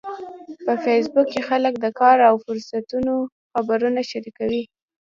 په فېسبوک کې خلک د کار او فرصتونو خبرونه شریکوي